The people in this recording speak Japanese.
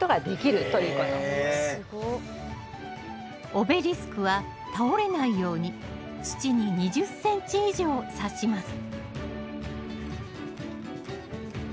オベリスクは倒れないように土に２０ｃｍ以上さします